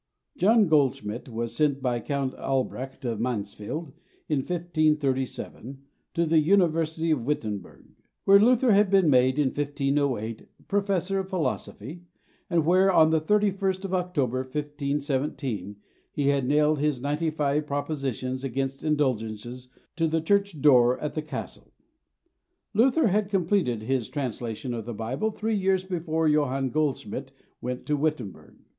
Johann Goldschmid was sent by Count Albrecht of Mansfeld, in 1537, to the University of Wittenberg, where Luther had been made, in 1508, Professor of Philosophy, and where, on the 31st of October, 1517, he had nailed his ninety five propositions against indulgences to the church door at the castle. Luther had completed his translation of the Bible three years before Johann Goldschmid went to Wittenberg.